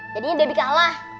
jadinya debi kalah